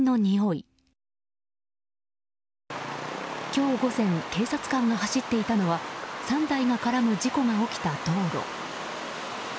今日午前警察官が走っていたのは３台が絡む事故が起きた道路。